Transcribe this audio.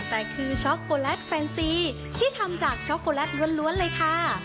แต่คือช็อกโกแลตแฟนซีที่ทำจากช็อกโกแลตล้วนเลยค่ะ